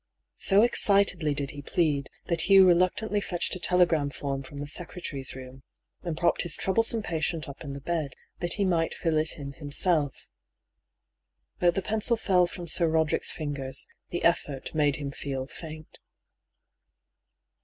So excitedly did he plead, that Hugh reluctantly fetched a telegram form from the secretary's room, and propped his troublesome patient up in the bed, that he might fill it in himself. But the pencil fell from Sir Roderick's fingers, the effort made him feel faint.